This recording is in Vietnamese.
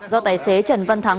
do tài xế trần văn thắng